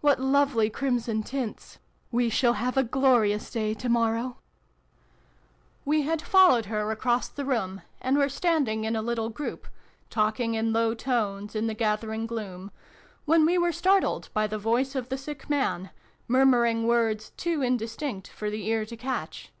What lovely crimson tints ! We shall have a glorious day D D 2 404 SYLVIE AND BRUNO CONCLUDED. xxv] LIFE OUT OF DEATH. 405 to morrow We had followed her across the room, and were standing in a little group, talking in low tones in the gathering gloom, when we were startled by the voice of the sick man, murmuring words too indistinct for the ear to catch.